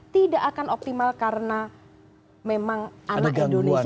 tidak akan optimal karena memang anak indonesia